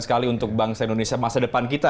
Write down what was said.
sekali untuk bangsa indonesia masa depan kita